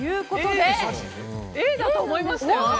Ａかと思いました。